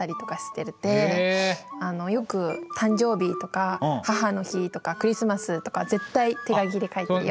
よく誕生日とか母の日とかクリスマスとか絶対手書きで書いてるよ。